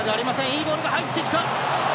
いいボールが入ってきた。